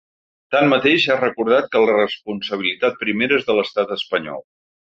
Tanmateix, ha recordat que la responsabilitat primera és de l’estat espanyol.